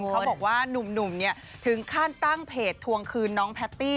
เขาบอกว่านุ่มถึงขั้นตั้งเพจทวงคืนน้องแพตตี้